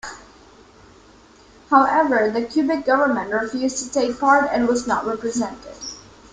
However, the Quebec government refused to take part and was not represented.